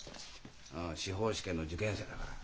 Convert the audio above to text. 司法試験の受験生だから。